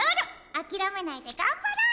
あきらめないでがんばろうよ！